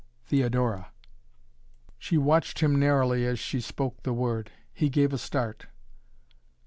"Theodora!" She watched him narrowly as she spoke the word. He gave a start.